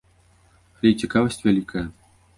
Але і цікавасць вялікая.